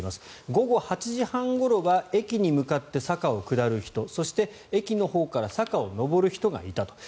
午後８時半ごろは駅に向かって坂を下る人そして、駅のほうから坂を上る人がいたと。